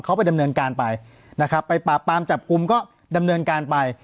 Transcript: เขาไปดำเนินการไปนะครับไปปราบปรามจับกลุ่มก็ดำเนินการไป